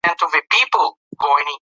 ملي سوداګر مسئول دي.